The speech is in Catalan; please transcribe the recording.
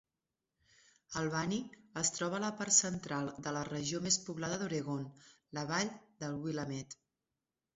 Albany es troba a la part central de la regió més poblada d'Oregon, la vall de Willamette.